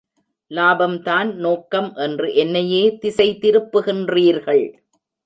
லாபம்தான் நோக்கம் என்று என்னையே திசை திருப்புகின்றீர்கள்!